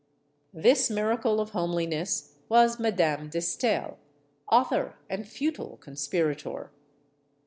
This miracle of homeliness was Madame de Stael, author and futile conspirator.